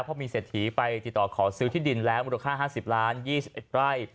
เพราะมีเศรษฐีไปติดต่อขอซื้อที่ดินแล้วมูลค่า๕๐ล้าน๒๑ไร่